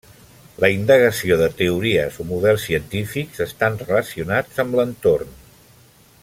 La indagació de teories o models científics estan relacionats amb l’entorn.